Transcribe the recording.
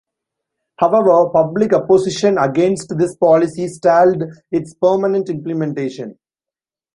However, public opposition against this policy stalled its permanent implementation.